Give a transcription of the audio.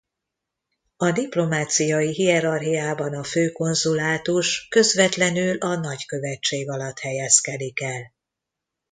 A diplomáciai hierarchiában a főkonzulátus közvetlenül a nagykövetség alatt helyezkedik el.